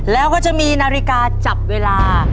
แล้วก็จะมีนาฬิกาจับเวลา